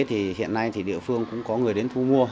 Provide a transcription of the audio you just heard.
thì hiện nay thì địa phương cũng có người đến thu mua